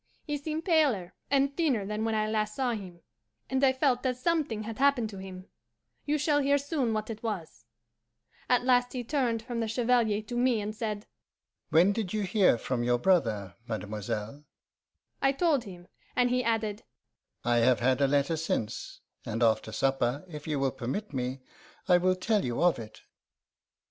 He seemed paler and thinner than when I last saw him, and I felt that something had happened to him. You shall hear soon what it was. "At last he turned from the Chevalier to me, and, said, 'When did you hear from your brother, mademoiselle?' I told him; and he added, 'I have had a letter since, and after supper, if you will permit me, I will tell you of it.